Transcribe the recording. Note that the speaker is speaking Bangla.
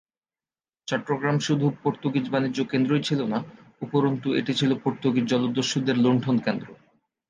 চট্টগ্রাম শুধু পর্তুগিজ বাণিজ্য কেন্দ্রই ছিল না, উপরন্তু এটি ছিল পর্তুগিজ জলদস্যুদের লুণ্ঠনকেন্দ্র।